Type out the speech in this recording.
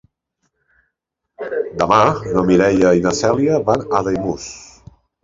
Demà na Mireia i na Cèlia van a Daimús.